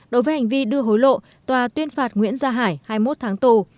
đối với hành vi đưa hối lộ tòa tuyên phạt nguyễn gia hải hai mươi một tháng tù